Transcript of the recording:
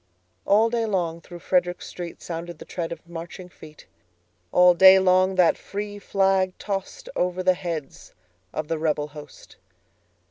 All day long through Frederick streetSounded the tread of marching feet:All day long that free flag tostOver the heads of the rebel host.